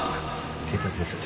警察です。